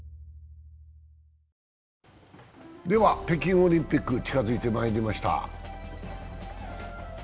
北京オリンピック近づいてまいりました。